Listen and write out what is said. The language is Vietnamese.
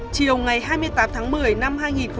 chiều ngày hai mươi tám tháng một mươi năm hai nghìn một mươi chín